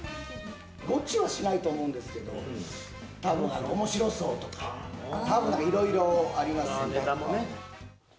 ゴチはしないと思うんですけど、たぶん、おもしろ荘とか、たぶん、いろいろありますもんね。